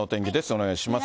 お願いします。